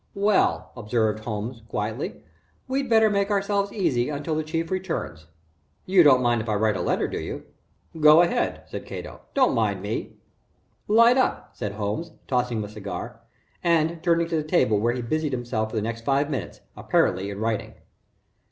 "Well," observed Holmes, quietly, "we'd better make ourselves easy until the Chief returns. You don't mind if I write a letter, do you?" "Go ahead," said Cato. "Don't mind me." "Light up," said Holmes, tossing him a cigar, and turning to the table where he busied himself for the next five minutes, apparently in writing.